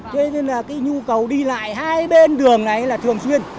thế nên là cái nhu cầu đi lại hai bên đường này là thường xuyên